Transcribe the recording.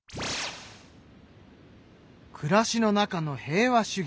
暮らしの中の平和主義